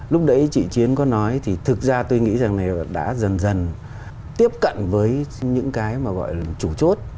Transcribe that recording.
lúc đấy chị chiến có nói thì thực ra tôi nghĩ rằng này đã dần dần tiếp cận với những cái mà gọi là chủ chốt